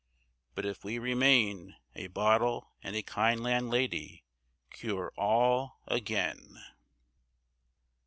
But if we remain, A bottle and a kind landlady Cure all again.